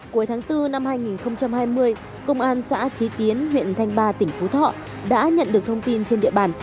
cuối tháng bốn năm hai nghìn hai mươi công an xã trí tiến huyện thanh ba tỉnh phú thọ đã nhận được thông tin trên địa bàn